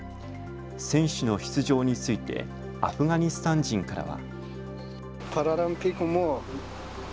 選手の出場についてアフガニスタン人からは。